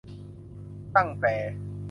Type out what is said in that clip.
ตั้งแต่